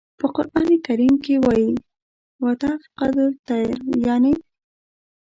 په قرآن کریم کې وایي "و تفقد الطیر" یانې.